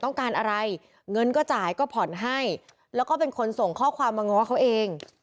ต้องการอะไรเงินก็จ่ายก็ผ่อนให้แล้วก็เป็นคนส่งข้อความมาง้อเขาเอง